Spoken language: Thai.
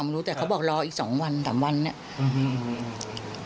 ไม่รู้แต่เขาบอกรออีกสองวันสามวันเนี้ยอือฮือ